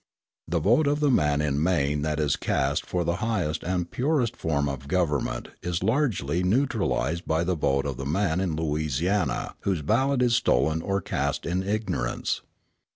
The vote of the man in Maine that is cast for the highest and purest form of government is largely neutralised by the vote of the man in Louisiana whose ballot is stolen or cast in ignorance.